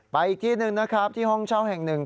อีกที่หนึ่งนะครับที่ห้องเช่าแห่งหนึ่ง